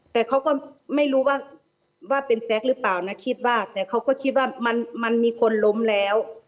แต่เขาก็ไม่รู้ว่าว่าเป็นแซ็กหรือเปล่านะคิดว่าแต่เขาก็คิดว่ามันมีคนล้มแล้ว